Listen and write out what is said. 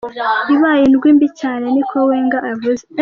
Ibaye indwi mbi cane,” ni ko Wenger yavuze.